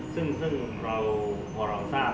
ซึ่งพอเราทราบ